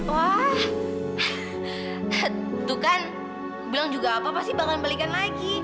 wah tuh kan bilang juga apa pasti bakal balikan lagi